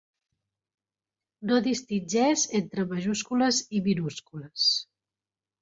No distingeix entre majúscules i minúscules.